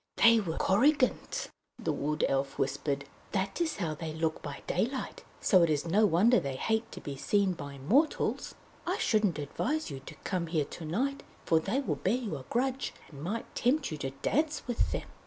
"They were Korrigans!" the Wood Elf whispered. "That is how they look by daylight, so it is no wonder that they hate to be seen by mortals! I shouldn't advise you to come here to night, for they will bear you a grudge, and might tempt you to dance with them!"